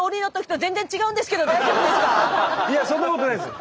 いやそんなことないです！